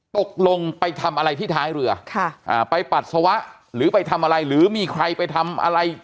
ตกลงไปทำอะไรที่ท้ายเรือไปปัสสาวะหรือไปทำอะไรหรือมีใครไปทำอะไร